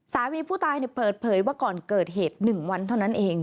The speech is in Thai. สามีผู้ตายเปิดเผยว่าก่อนเกิดเหตุ๑วันเท่านั้นเอง